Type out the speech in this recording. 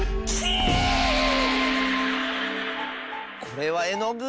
これはえのぐ？